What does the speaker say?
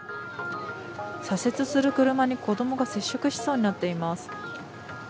左折する車に子どもが接触しそうになっています。